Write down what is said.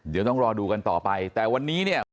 เดี๋ยวต้องรอดูกันต่อไปแต่วันนี้เนี่ย